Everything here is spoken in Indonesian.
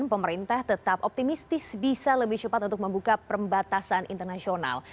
pemerintah tetap optimistis bisa lebih cepat untuk membuka perbatasan internasional